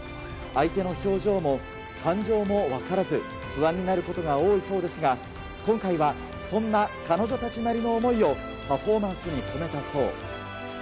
相手の表情も感情も分からず、不安になることが多いそうですが、今回はそんな彼女たちなりの思いをパフォーマンスに込めたそう。